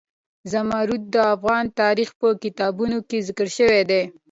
زمرد د افغان تاریخ په کتابونو کې ذکر شوی دي.